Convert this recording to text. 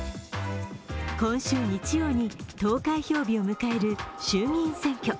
今週日曜に投開票日を迎える衆議院選挙。